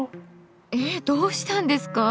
えっどうしたんですか？